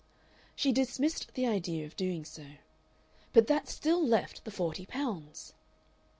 She dismissed the idea of doing so. But that still left the forty pounds!...